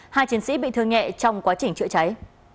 hai chiến sĩ bị thương nhẹ trong quá trình chữa cháy